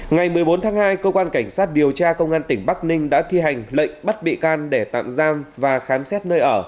ngày một mươi bốn tháng hai cơ quan cảnh sát điều tra công an tỉnh bắc ninh đã thi hành lệnh bắt bị can để tạm giam và khám xét nơi ở